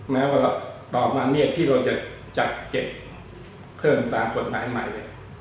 แม้ว่าต่อมาเนี่ยที่เราจะจัดเก็บเพิ่มตามกฎหมายใหม่